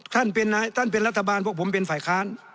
ท่านเป็นรัฐบาลพวกผมเป็นฝ่ายค้าน